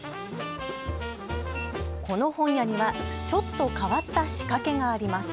この本屋にはちょっと変わった仕掛けがあります。